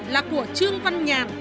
là của trương văn nhàn